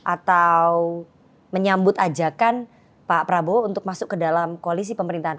atau menyambut ajakan pak prabowo untuk masuk ke dalam koalisi pemerintahan